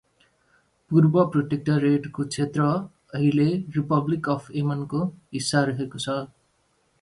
The area of the former protectorate is now part of the Republic of Yemen.